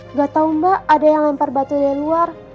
nggak tahu mbak ada yang lempar batu dari luar